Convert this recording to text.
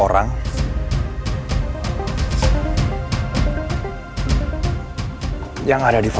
nanti hasilnya mungkin jatuh dari batas